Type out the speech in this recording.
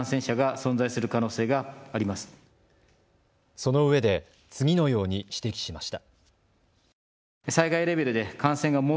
そのうえで次のように指摘しました。